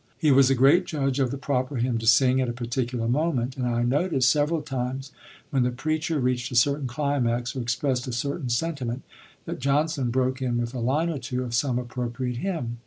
He was a great judge of the proper hymn to sing at a particular moment; and I noticed several times, when the preacher reached a certain climax, or expressed a certain sentiment, that Johnson broke in with a line or two of some appropriate hymn.